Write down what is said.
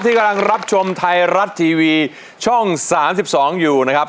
กำลังรับชมไทยรัฐทีวีช่อง๓๒อยู่นะครับ